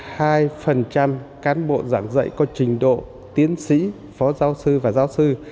thì đến nay nhà trường đã có năm mươi hai cán bộ giảng dạy có trình độ tiến sĩ phó giáo sư và giáo sư